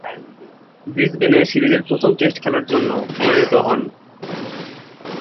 ব্রিসবেনে সিরিজের প্রথম টেস্ট খেলার জন্যে মনোনীত হন।